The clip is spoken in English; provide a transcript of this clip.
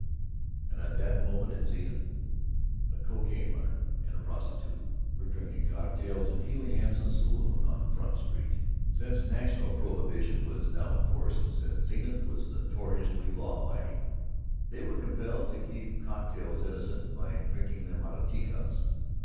And at that moment in Zenith, a cocaine runner and a prostitute were drinking cocktails in Healey Hanson's saloon on Front Street. Since national prohibition was now in force, and since Zenith was notoriously law abiding, they were compelled to keep the cocktails innocent by drinking them out of tea cups.